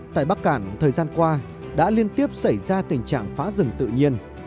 tại bắc cạn thời gian qua đã liên tiếp xảy ra tình trạng phá rừng tự nhiên